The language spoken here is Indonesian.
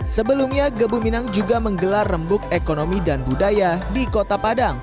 sebelumnya gebu minang juga menggelar rembuk ekonomi dan budaya di kota padang